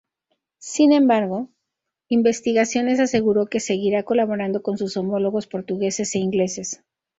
Sin embargo, Investigaciones aseguro que seguirá colaborando con sus homólogos portugueses e ingleses.